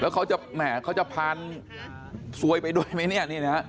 แล้วเขาจะผ่านสวยไปด้วยไหม